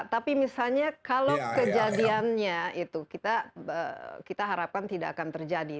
tapi misalnya kalau kejadiannya itu kita harapkan tidak akan terjadi